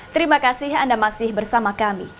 terima kasih anda masih bersama kami